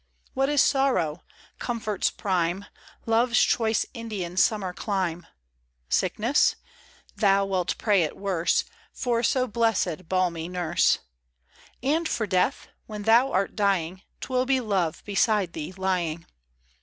What is sorrow ? Comfort's prime, Love's choice Indian summer clime. Sickness ? Thou wilt pray it worse For so blessed, balmy nurse. And for death ? When thou art dying 'Twill be love beside thee lying.